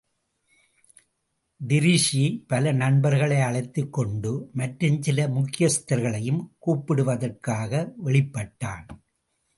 Treacy பல நண்பர்களை அழைத்தக்கொண்டு மற்றும் சில முக்கியஸ்தர்களையும் கூப்பிடுவதற்காக வெளிப்பட்டான்.